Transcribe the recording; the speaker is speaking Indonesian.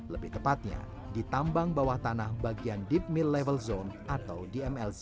lebih tepatnya di tambang bawah tanah bagian deep mill level zone atau dmlz